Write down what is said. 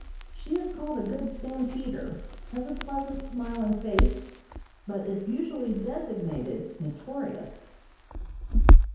She is called a good "stampeder," has a pleasant, smiling face, but is usually designated "notorious."